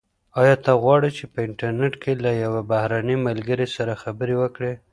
ایا ته غواړې چي په انټرنیټ کي له یو بهرني ملګري سره خبرې وکړې؟